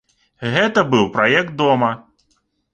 Гэта быў праект дома.